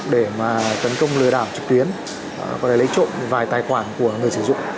để mà tấn công lừa đảo trực tuyến có thể lấy trộm vài tài khoản của người sử dụng